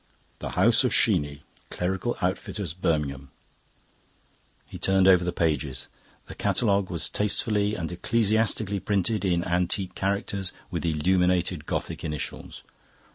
"The House of Sheeny, Clerical Outfitters, Birmingham." He turned over the pages. The catalogue was tastefully and ecclesiastically printed in antique characters with illuminated Gothic initials.